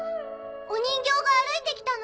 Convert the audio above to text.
お人形が歩いて来たの！